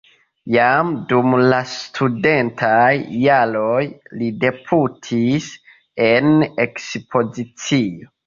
Jam dum la studentaj jaroj li debutis en ekspozicio.